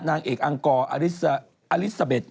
นางเอกอังกอลิซาเบ็ด